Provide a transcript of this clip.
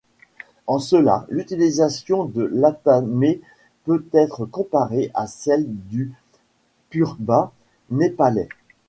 En cela, l'utilisation de l'athamé peut être comparée à celle du phurba népalais.